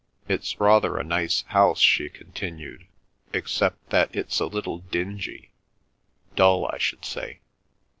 It's rather a nice house," she continued, "except that it's a little dingy—dull I should say."